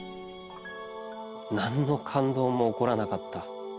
「何の感動も起らなかった。